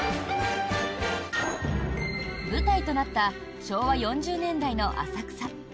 舞台となった昭和４０年代の浅草。